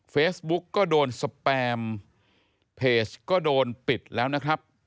เฟซบุ๊กก็โดนสแปมเพจก็โดนปิดแล้วนะครับ